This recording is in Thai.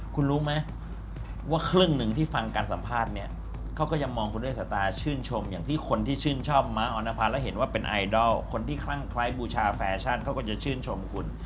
คุณรู้ไหมว่าครึ่งหนึ่งที่ฟังการสัมภาษณ์เนี่ยเขาก็ยังมองคุณด้วยสายตาชื่นชมอย่างที่คนที่ชื่นชอบม้าออนภาแล้วเห็นว่าเป็นไอดอลคนที่คลั่งคล้ายบูชาแฟชั่นเขาก็จะชื่นชมคุณ